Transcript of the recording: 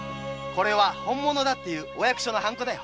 これは本物だっていう役所のハンコだよ。